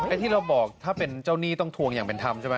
ที่เราบอกถ้าเป็นเจ้าหนี้ต้องทวงอย่างเป็นธรรมใช่ไหม